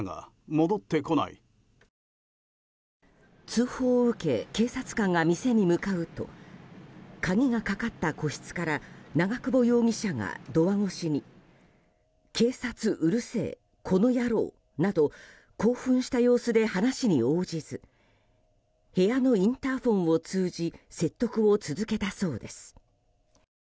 通報を受け警察官が店へ向かうと鍵がかかった個室から長久保容疑者がドア越しに警察うるせぇ、この野郎など興奮した様子で話に応じず部屋のインターホンを通じ説得を続けたそうです。